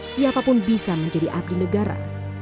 siapapun bisa menjadi abdi negara